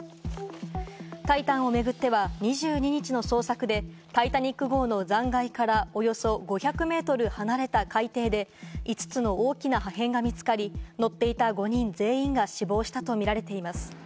タイタンを巡っては、２２日の捜索で、タイタニック号の残骸からおよそ５００メートル離れた海底で５つの大きな破片が見つかり、乗っていた５人全員が死亡したとみられています。